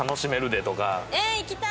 ええー行きたい！